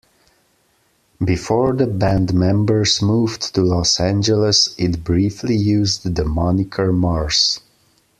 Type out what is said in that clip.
Before the band members moved to Los Angeles, it briefly used the moniker Mars.